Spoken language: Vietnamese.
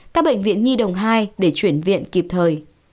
các bệnh viện nhi đồng hai để chuyển viện kịp thời